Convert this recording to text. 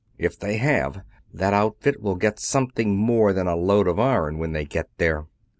"If they have, that outfit will get something more than a load of iron when they get there!"